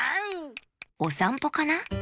おさんぽかな？